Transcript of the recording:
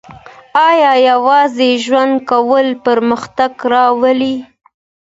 آیا یوازې ژوند کول پرمختګ راولي؟